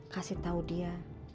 kasih tau dia